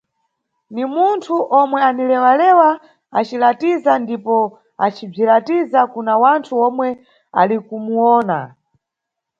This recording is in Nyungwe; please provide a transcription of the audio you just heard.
Ni munthu omwe anilewa-lewa, acilatiza ndipo acibzilatiza kuna wanthu omwe ali kumuwona.